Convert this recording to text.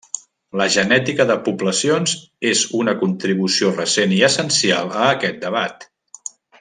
La genètica de poblacions és una contribució recent i essencial a aquest debat.